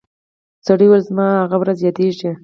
سړي وویل زما هغه ورځ یادیږي